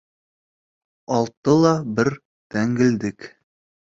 Алтыла бер дәңгелдек